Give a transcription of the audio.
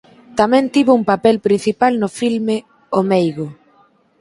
Tamén tivo un papel principal no filme "O meigo".